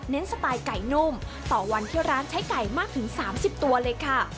สไตล์ไก่นุ่มต่อวันที่ร้านใช้ไก่มากถึง๓๐ตัวเลยค่ะ